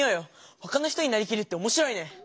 ほかの人になりきるっておもしろいね！